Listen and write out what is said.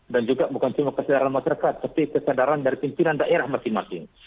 dan juga bukan cuma kesadaran masyarakat tapi kesadaran dari pimpinan daerah masing masing